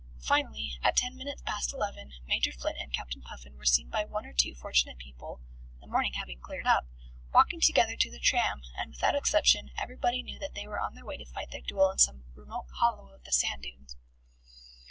Finally, at ten minutes past eleven, Major Flint and Captain Puffin were seen by one or two fortunate people (the morning having cleared up) walking together to the tram, and, without exception, everybody knew that they were on their way to fight their duel in some remote hollow of the sand dunes.